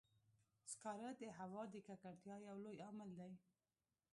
سکاره د هوا د ککړتیا یو لوی عامل دی.